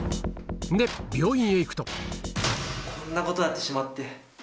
んで病院へ行くとこんなことになってしまって。